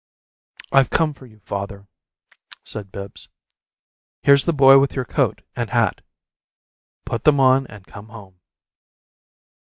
"I've come for you, father," said Bibbs. "Here's the boy with your coat and hat. Put them on and come home."